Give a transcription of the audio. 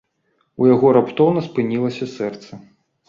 У яго раптоўна спынілася сэрца.